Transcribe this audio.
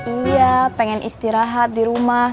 iya pengen istirahat di rumah